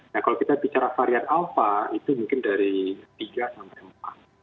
nah kalau kita bicara varian alpha itu mungkin dari tiga sampai empat